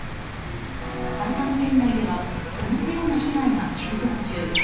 埼玉県内では同じような被害が急増中。